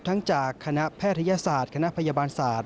จากคณะแพทยศาสตร์คณะพยาบาลศาสตร์